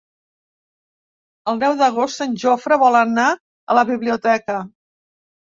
El deu d'agost en Jofre vol anar a la biblioteca.